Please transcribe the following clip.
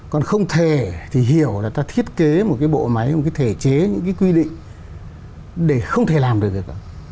còn không thể thì hiểu là ta thiết kế một cái bộ máy một cái thể chế những cái quy định để không thể làm được việc đó